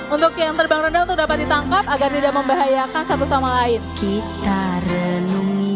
untuk yang terbang rendah itu dapat ditangkap agar tidak membahayakan satu sama lain kita renungi